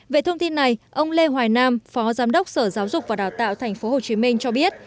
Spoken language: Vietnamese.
về thông tin này ông lê hoài nam phó giám đốc sở giáo dục và đào tạo tp hcm cho biết